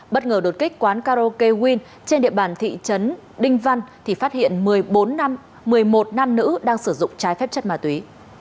bất ngờ đột kích quán karaoke win trên địa bàn thị trấn đinh văn thì phát hiện một mươi bốn nam một mươi một nam nữ đang sử dụng trái phép chất ma túy